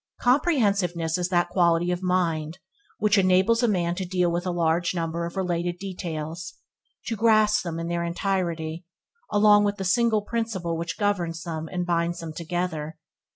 Comprehensiveness is that quality of mind which enables a man to deal with a large number of related details, to grasp them in their entirety, along with the single principle which governs them and binds them together.